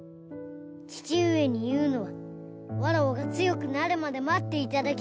父上に言うのはわらわが強くなるまで待って頂きたい。